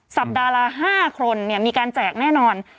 สัปดาห์ละ๕คนมีการแจกแน่นอน